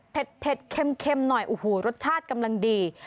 เผ็ดเค็มหน่อยโอ้โหรสชาติกำลังดี